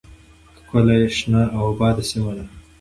، ښکلې، شنه او آباده سیمه ده.